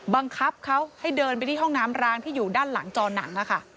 บังคับเขาให้เดินไปที่ห้องน้ำร้างที่อยู่ด้านหลังจอหนังค่ะ